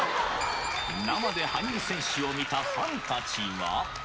生で羽生選手を見たファンたちは。